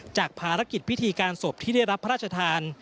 จากภารกิจพิธีการศพที่ได้รับพระราชทาน